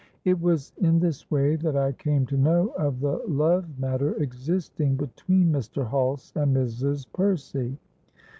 It was in this way that I came to know of the love matter existing between Mr. Hulse and Mrs. Percy.